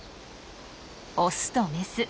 オスとメス。